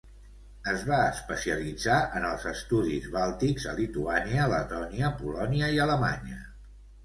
Es va especialitzar en els estudis bàltics a Lituània, Letònia, Polònia i Alemanya.